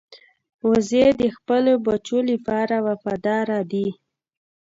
وزې د خپلو بچو لپاره وفاداره ده